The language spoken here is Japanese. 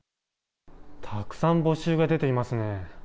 たくさん募集が出ていますね。